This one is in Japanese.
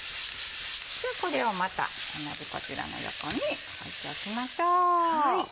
これをまた同じこちらの横に置いておきましょう。